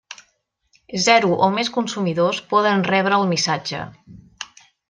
Zero o més consumidors poden rebre el missatge.